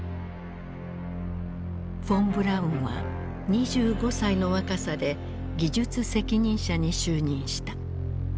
フォン・ブラウンは２５歳の若さで技術責任者に就任した。